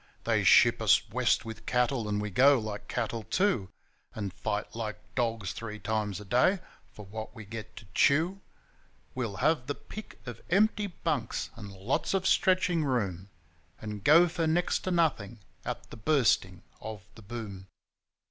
They ship us West with cattle, and we go like cattle too; And fight like dogs three times a day for what we get to chew.... We'll have the pick of empty bunks and lots of stretching room, And go for next to nothing at the Bursting of the Boom.